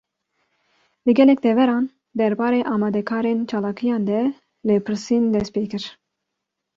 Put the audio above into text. Li gelek deveran, derbarê amadekarên çalakiyan de lêpirsîn dest pê kir